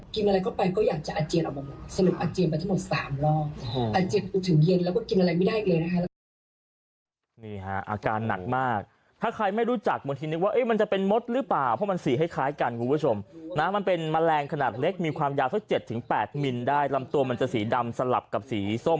กินยากแก๊บแพ้ผ่านไปอีก๑วันก็เป็น๔๘ชั่วโมงคราวนี้มันเริ่มเบิร์ง